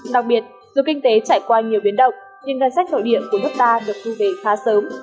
đặc biệt dù kinh tế trải qua nhiều biến động nhưng ngân sách nội địa của nước ta được thu về khá sớm